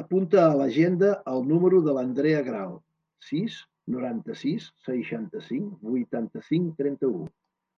Apunta a l'agenda el número de l'Andrea Grao: sis, noranta-sis, seixanta-cinc, vuitanta-cinc, trenta-u.